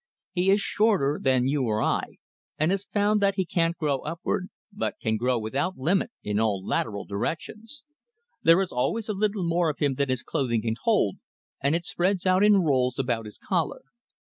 He is shorter than you or I, and has found that he can't grow upward, but can grow without limit in all lateral directions. There is always a little more of him than his clothing can hold, and it spreads out in rolls about his collar.